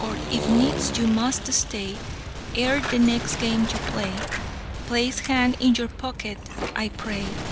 Or if needs you must stay; ere the next game you play, Place hand in your pocket, I pray!"